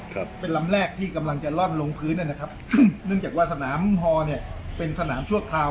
ครับเป็นลำแรกที่กำลังจะล่อนลงพื้นนะครับเนื่องจากว่าสนามฮอเนี้ยเป็นสนามชั่วคราว